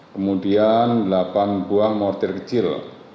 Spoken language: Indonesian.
kemudian delapan buah mortir kecil